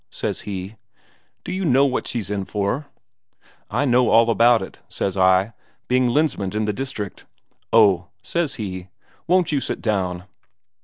says he. 'Do you know what she's in for?' 'I know all about it,' says I, 'being Lensmand in the district.' 'Oh,' says he, 'won't you sit down?'